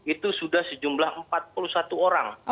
itu sudah sejumlah empat puluh satu orang